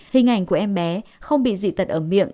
hình ảnh của em bé không bị dị tật ở miệng